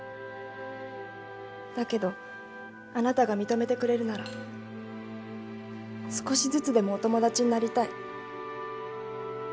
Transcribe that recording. だけどあなたが認めてくれるなら少しずつでもお友達になりたい。